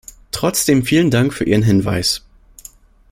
Trotzdem vielen Dank für Ihren Hinweis.